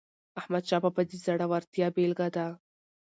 احمدشاه بابا د زړورتیا بېلګه ده.